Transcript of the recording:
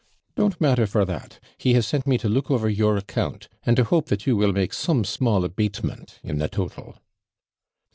'Don't matter for that; he has sent me to look over your account, and to hope that you will make some small ABATEMENT in the total.'